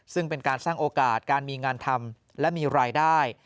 ซึ่งเป็นการสร้างโอกาสการมีงานทำและมีรายได้